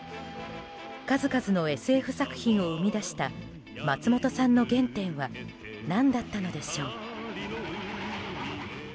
数々のＳＦ作品を生み出した松本さんの原点は何だったのでしょう。